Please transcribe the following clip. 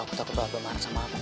aku takut aba marah sama aku